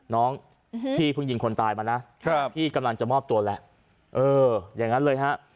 น้องพี่เพิ่งยิงคนตายมานะพี่กำลังจะมอบตัวแหละเอออย่างนั้นเลยฮะ